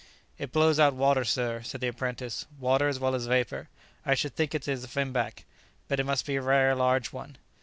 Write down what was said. "It blows out water, sir," said the apprentice, "water, as well as vapour. I should think it is a finback. But it must be a rare large one."